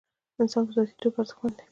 انسان په ذاتي توګه ارزښتمن دی.